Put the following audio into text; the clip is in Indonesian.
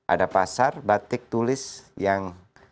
ada pasar batik tulis yang